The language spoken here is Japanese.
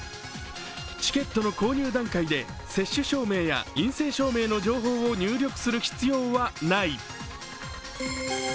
チケットの購入段階で接種証明や陰性証明の入力は必要ない。